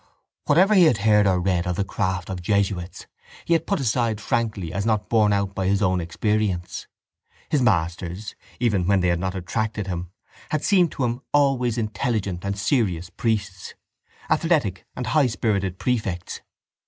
Whatever he had heard or read of the craft of jesuits he had put aside frankly as not borne out by his own experience. His masters, even when they had not attracted him, had seemed to him always intelligent and serious priests, athletic and high spirited prefects.